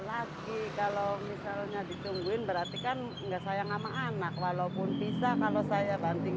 lagi kalau misalnya ditungguin berarti kan enggak sayang sama anak walaupun bisa kalau saya banting